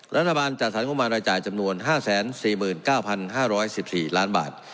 รัฐบาลจัดสรรงบประมาณรายจ่ายจำนวน๕๔๙๕๑๔ล้านบาท